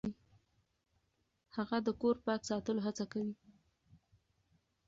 هغه د کور پاک ساتلو هڅه کوي.